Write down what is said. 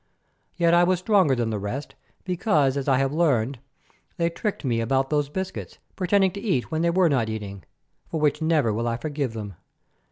Yet I was stronger than the rest, because as I have learned, they tricked me about those biscuits, pretending to eat when they were not eating, for which never will I forgive them.